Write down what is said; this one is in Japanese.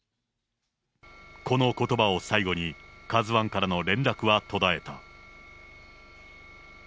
このことばを最後に、カズワンからの連絡は途絶えた。